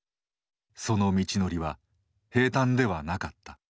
その道のりは平たんではなかった。